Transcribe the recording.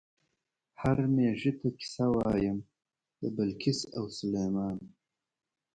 "هر مېږي ته قصه وایم د بلقیس او سلیمان".